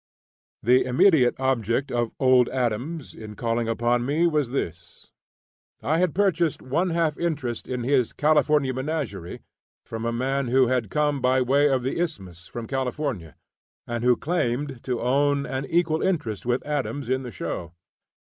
The immediate object of "Old Adams" in calling upon me was this. I had purchased one half interest in his California menagerie from a man who had come by way of the Isthmus from California, and who claimed to own an equal interest with Adams in the show.